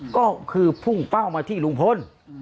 ก็คือพุ่งเป้ามาที่ลุงพล